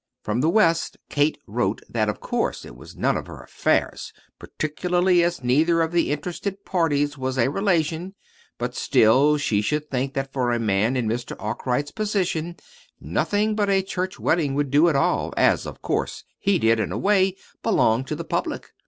From the West Kate wrote that of course it was none of her affairs, particularly as neither of the interested parties was a relation, but still she should think that for a man in Mr. Arkwright's position, nothing but a church wedding would do at all, as, of course, he did, in a way, belong to the public.